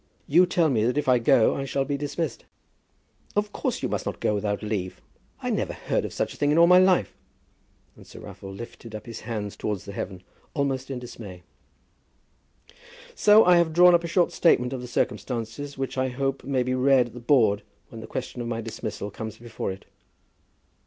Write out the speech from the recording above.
You tell me that if I go I shall be dismissed." "Of course you must not go without leave. I never heard of such a thing in all my life." And Sir Raffle lifted up his hands towards heaven, almost in dismay. "So I have drawn up a short statement of the circumstances, which I hope may be read at the Board when the question of my dismissal comes before it."